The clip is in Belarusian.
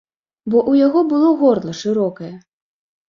Бо ў яго было горла шырокае.